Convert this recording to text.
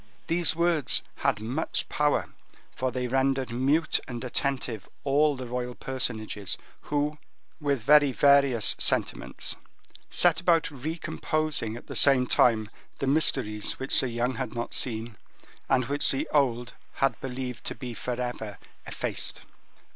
These words had much power, for they rendered mute and attentive all the royal personages, who, with very various sentiments, set about recomposing at the same time the mysteries which the young had not seen, and which the old had believed to be forever effaced.